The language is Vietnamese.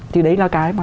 thì đấy là cái mà